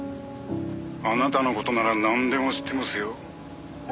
「あなたの事ならなんでも知ってますよ」